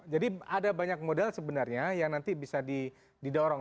jadi ada banyak model sebenarnya yang nanti bisa didorong